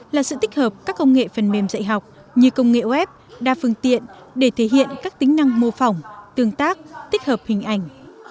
là sự tích hợp các công nghệ phần mềm dạy học như công nghệ web đa phương tiện để thể hiện các tính năng mô phỏng tương tác tích hợp hình ảnh